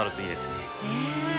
ねえ。